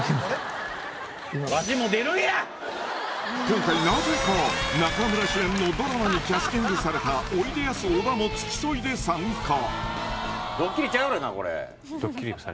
今回なぜか中村主演のドラマにキャスティングされたおいでやす小田も付き添いで参加